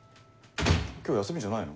今日休みじゃないの？